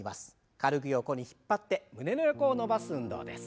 軽く横に引っ張って胸の横を伸ばす運動です。